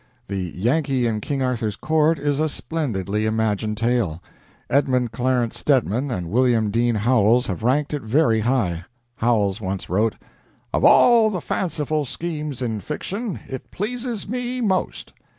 The "Yankee in King Arthur's Court" is a splendidly imagined tale. Edmund Clarence Stedman and William Dean Howells have ranked it very high. Howells once wrote: "Of all the fanciful schemes in fiction, it pleases me most."